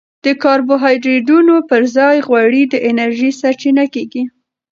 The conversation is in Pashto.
د کاربوهایډریټونو پر ځای غوړي د انرژي سرچینه کېږي.